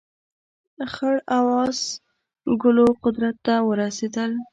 خړ او اس ګلو قدرت ته ورسېدل.